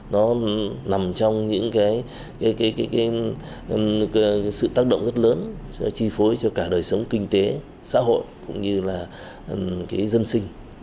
nó nằm trong những cái tác động rất lớn chi phối cho cả đời sống kinh tế xã hội cũng như là cái dân sinh